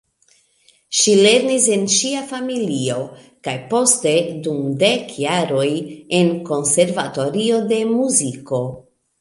Ŝi lernis en ŝia familio kaj poste dum dek jaroj en konservatorio de muziko.